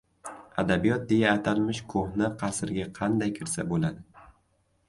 Adabiyot deya atalmish ko‘hna qasrga qanday kirsa bo‘ladi?